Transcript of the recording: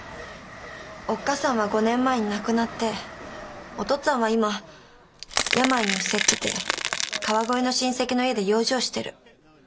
おっ母さんは５年前に亡くなってお父っつぁんは今病に伏せってて川越の親戚の家で養生してる。